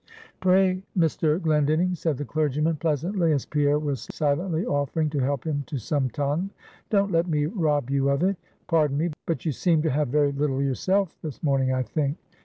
"Pray, Mr. Glendinning," said the clergyman, pleasantly, as Pierre was silently offering to help him to some tongue "don't let me rob you of it pardon me, but you seem to have very little yourself this morning, I think.